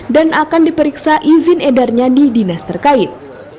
dan akan diperiksa izin edarnya di dinas terkait